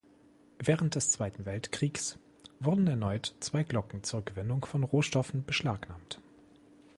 Während des Zweiten Weltkriegs wurden erneut zwei Glocken zur Gewinnung von Rohstoffen beschlagnahmt.